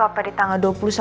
apa di tanggal dua puluh